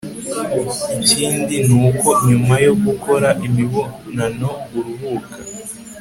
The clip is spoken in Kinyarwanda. ikindi ni uko nyuma yo gukora imibonano uruhuka